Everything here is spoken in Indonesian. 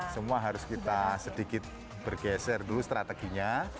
semua harus kita sedikit bergeser dulu strateginya